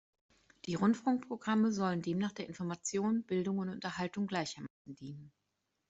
Die Rundfunkprogramme sollen demnach der Information, Bildung und Unterhaltung gleichermaßen dienen.